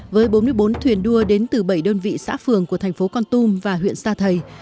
với bốn mươi bốn thuyền đua đến từ bảy đơn vị xã phường của thành phố con tum và huyện sa thầy